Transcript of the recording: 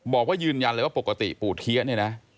บอกว่ายืนยันเลยว่าปกติปู่เทียเนี่ยนะ